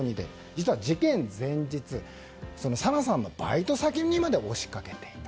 実は事件前日紗菜さんのバイト先にまで押しかけていた。